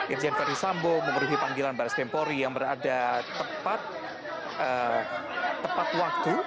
irjen ferdisambo memenuhi panggilan baris kempori yang berada tepat waktu